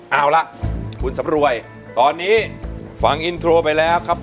เอาล่ะคุณสำรวยตอนนี้ฟังอินโทรไปแล้วครับ